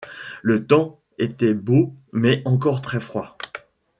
Le temps était beau, mais encore très froid.